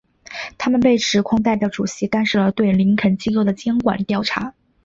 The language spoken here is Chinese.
他们被指控代表主席干涉了对林肯机构的监管调查。